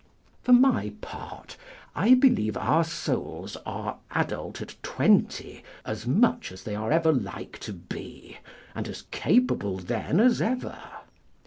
For my part, I believe our souls are adult at twenty as much as they are ever like to be, and as capable then as ever.